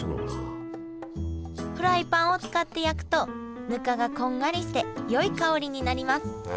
フライパンを使って焼くとぬかがこんがりしてよい香りになります